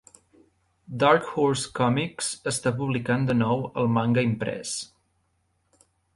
Dark Horse Comics està publicant de nou el manga imprès.